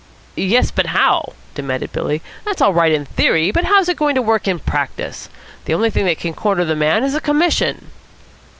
"Yes, but how?" demanded Billy. "That's all right in theory, but how's it going to work in practice? The only thing that can corner the man is a commission."